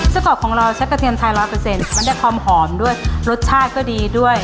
สักก่อนของเราใช้กระเทียมไทย๑๐๐มันได้ความหอมด้วยรสชาติก็ดีด้วย